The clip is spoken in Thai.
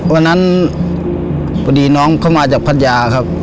วันนั้นพอดีน้องเขามาจากพัทยาครับ